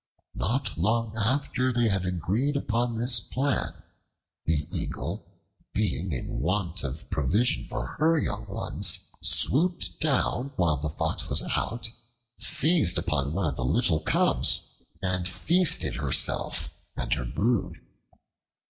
Not long after they had agreed upon this plan, the Eagle, being in want of provision for her young ones, swooped down while the Fox was out, seized upon one of the little cubs, and feasted herself and her brood.